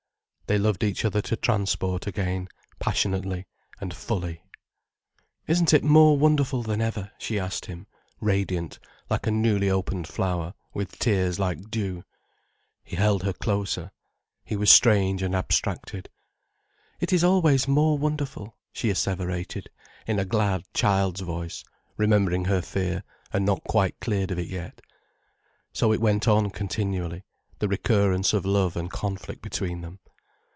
They loved each other to transport again, passionately and fully. "Isn't it more wonderful than ever?" she asked him, radiant like a newly opened flower, with tears like dew. He held her closer. He was strange and abstracted. "It is always more wonderful," she asseverated, in a glad, child's voice, remembering her fear, and not quite cleared of it yet. So it went on continually, the recurrence of love and conflict between them.